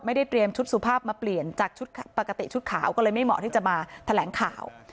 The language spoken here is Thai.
เตรียมชุดสุภาพมาเปลี่ยนจากชุดปกติชุดขาวก็เลยไม่เหมาะที่จะมาแถลงข่าว